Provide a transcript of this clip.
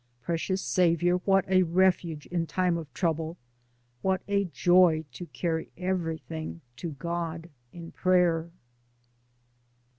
Precious Saviour, what a refuge in time of trouble, what a joy to carry everything to God in prayer.